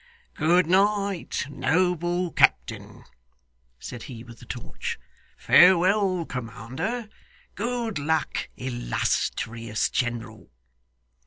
'Good night, noble captain,' said he with the torch. 'Farewell, commander. Good luck, illustrious general!